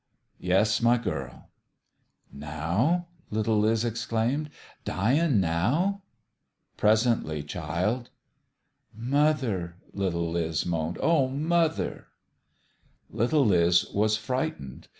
" Yes, my girl." "Now ?" little Liz exclaimed. " Dyin' now f " "Presently, child." " Mother !" little Liz moaned. " Oh, mother !" Little Liz was frightened.